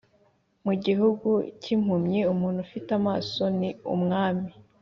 mu gihugu cyimpumyi umuntu ufite amaso ni umwami